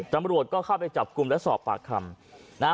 ตำรวจก็เข้าไปจับกลุ่มและสอบปากคำนะฮะ